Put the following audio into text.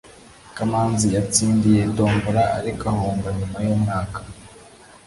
kamanzi yatsindiye tombola, ariko ahomba nyuma yumwaka